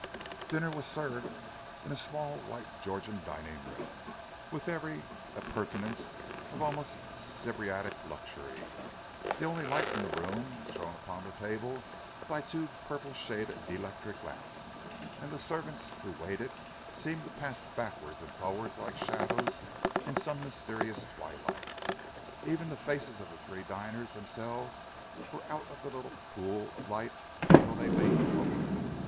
Dinner was served in a small white Georgian dining room, with every appurtenance of almost Sybaritic luxury. The only light in the room was thrown upon the table by two purple shaded electric lamps, and the servants who waited seemed to pass backwards and forwards like shadows in some mysterious twilight even the faces of the three diners themselves were out of the little pool of light until they leaned forward.